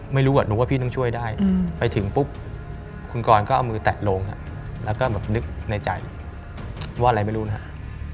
ไม่รู้หนูว่าพี่ต้องช่วยได้ไปถึงปุ๊บคุณกรก็เอามือแตะลงแล้วก็แบบนึกในใจว่าอะไรไม่รู้นะครับ